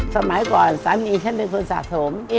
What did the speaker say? สมัยก่อนสามีฉันเป็นคนสะสม